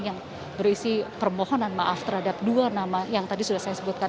yang berisi permohonan maaf terhadap dua nama yang tadi sudah saya sebutkan